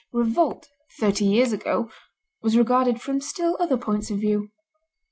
Revolt, thirty years ago, was regarded from still other points of view.